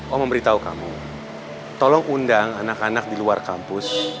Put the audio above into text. oh memberitahu kamu tolong undang anak anak di luar kampus